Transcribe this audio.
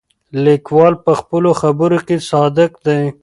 لیکوال په خپلو خبرو کې صادق دی.